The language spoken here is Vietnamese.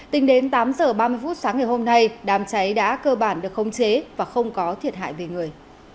tính đến tám h ba mươi phút sáng ngày hôm nay đám cháy đã cơ bản được khống chế và không có thiệt hại về người